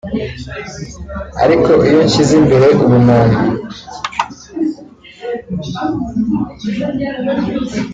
Ariko iyo nshyize imbere ubumuntu